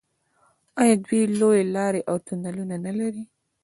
آیا دوی لویې لارې او تونلونه نلري؟